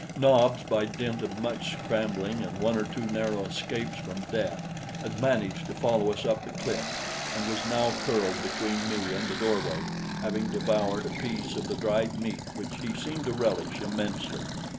Nobs, by dint of much scrambling and one or two narrow escapes from death, had managed to follow us up the cliff and was now curled between me and the doorway, having devoured a piece of the dried meat, which he seemed to relish immensely.